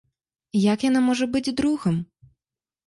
Як яна можа быць другам?